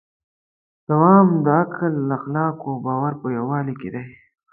دوام د عقل، اخلاقو او باور په یووالي کې دی.